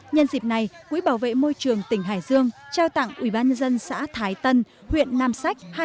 nhân dịp này quỹ bảo vệ môi trường tỉnh hải dương trao tặng